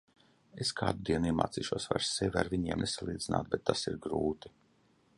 Es kādu dienu iemācīšos vairs sevi ar viņiem nesalīdzināt, bet tas ir grūti.